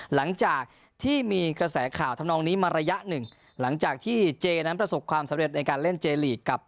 หลังจากที่มีกระแสข่าวทำนองนี้มาระยะหนึ่งหลังจากที่เจนั้นประสบความสำเร็จในการเล่นเจลีกกับ